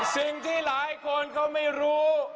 สิ่งที่หลายคนเขาไม่รู้